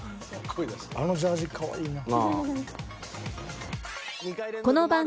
あのジャージーかわいいな。